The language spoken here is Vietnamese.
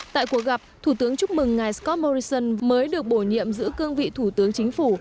tại cuộc gặp thủ tướng chúc mừng ngài scott morrison mới được bổ nhiệm giữa cương vị thủ tướng chính phủ